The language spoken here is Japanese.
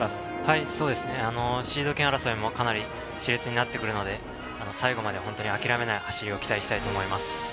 シード権争いもかなり熾烈になってくるので、最後まで諦めない走りを期待したいと思います。